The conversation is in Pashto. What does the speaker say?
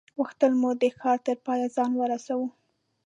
غوښتل مو د ښار تر پایه ځان ورسوو.